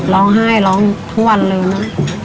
ร้องไห้ร้องทุกวันเลยนะ